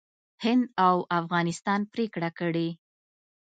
هند او افغانستان پرېکړه کړې